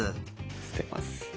捨てます。